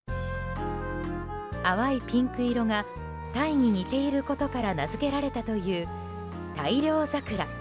淡いピンク色がタイに似ていることから名づけられたという大漁桜。